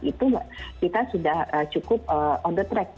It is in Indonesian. itu kita sudah cukup on the track